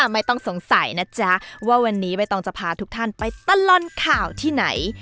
ไม่ต้องสงสัยนะจ๊ะว่าวันนี้ใบตองจะพาทุกท่านไปตลอดข่าวที่ไหน